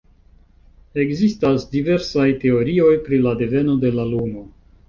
Ekzistas diversaj teorioj pri la deveno de la Luno.